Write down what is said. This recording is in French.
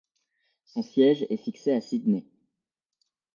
Son siège est fixé à Sidney.